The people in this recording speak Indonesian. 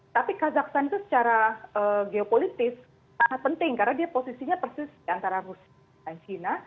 tapi kazakhstan itu secara geopolitis sangat penting karena dia posisinya persis antara rusia dan china